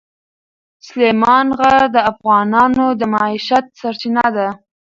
سلیمان غر د افغانانو د معیشت سرچینه ده.